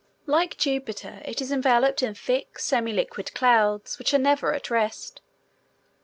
Like Jupiter, it is enveloped in thick semi liquid clouds which are never at rest.